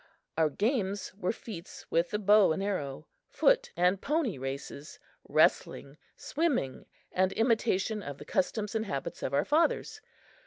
Our games were feats with the bow and arrow, foot and pony races, wrestling, swimming and imitation of the customs and habits of our fathers.